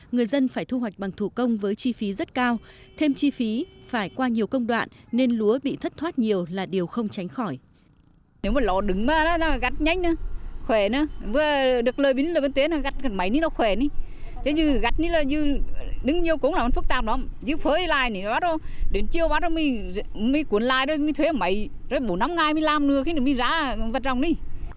người dân phải thu hoạch bằng thủ công với chi phí rất cao thêm chi phí phải qua nhiều công đoạn nên lúa bị thất thoát nhiều là điều không tránh khỏi